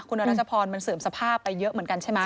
คุณรัชพรมันเสื่อมสภาพไปเยอะเหมือนกันใช่ไหม